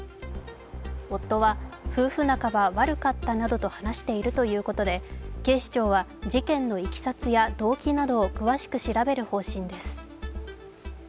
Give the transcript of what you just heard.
夫は夫婦仲は悪かったなどと話しているということで警視庁は事件のいきさつや動機などを詳しく調べる方針です。